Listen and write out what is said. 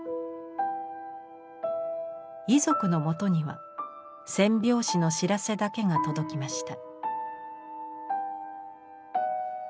遺族のもとには戦病死の知らせだけが届きました。